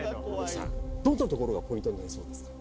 どんなところがポイントになりそうですか？